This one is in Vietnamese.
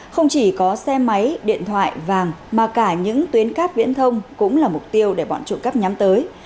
không chỉ có xe máy điện thoại vàng mà cả những tuyến cắp viễn thông cũng là mục tiêu để bọn trụ cắp nhắm tới